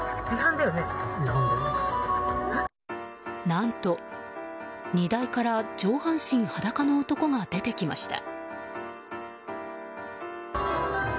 何と、荷台から上半身裸の男が出てきました。